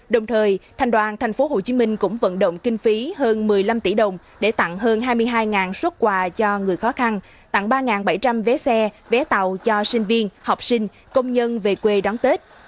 đồng thời thành đoàn tp hcm cũng vận động kinh phí hơn một mươi năm tỷ đồng để tặng hơn hai mươi hai xuất quà cho người khó khăn tặng ba bảy trăm linh vé xe vé tàu cho sinh viên học sinh công nhân về quê đón tết